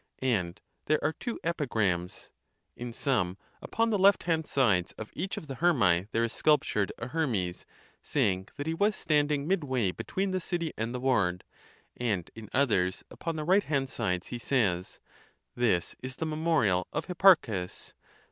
And there are two epigrams. In some upon the left hand sides of each of the Herme there is sculptured a *?Hermes, saying that he was standing midway between the city and the ward;? and in others upon the right hand sides he says:—" This is the memorial? of Hippar chus.